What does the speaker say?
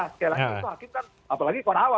sekali lagi itu hakim kan apalagi korawan